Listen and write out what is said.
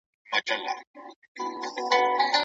کله به د پاڼې تن سوری شي؟